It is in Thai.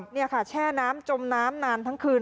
นี่ค่ะแช่น้ำจมน้ำนานทั้งคืน